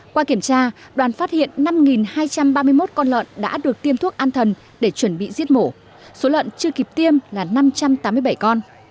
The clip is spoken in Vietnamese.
qua kiểm tra đoàn phát hiện năm hai trăm ba mươi một con lợn đã được tiêm thuốc an thần để chuẩn bị giết mổ số lợn chưa kịp tiêm là năm trăm tám mươi bảy con